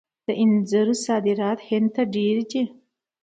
د انځرو صادرات هند ته ډیر دي.